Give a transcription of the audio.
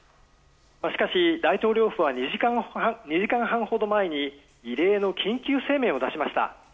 しかし大統領府は２時間半ほど前に異例の緊急声明を出しました。